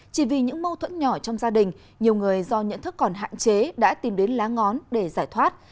chỉ vì những mâu thuẫn nhỏ trong gia đình nhiều người do nhận thức còn hạn chế đã tìm đến lá ngón để giải thoát